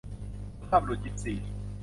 สุภาพบุรุษยิปซี